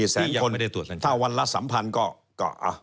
๔แสนคนถ้าวันละสัมพันธ์ก็